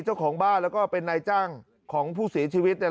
เจ้าของบ้านแล้วก็เป็นนายจ้างของผู้เสียชีวิต